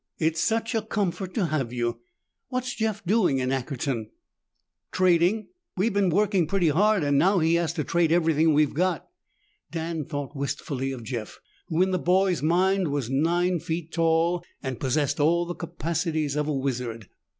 It's such a comfort to have you. What's Jeff doing in Ackerton?" "Trading. We've been working pretty hard and now he has to trade everything we got." Dan thought wistfully of Jeff, who in the boy's mind was nine feet tall and possessed all the capacities of a wizard.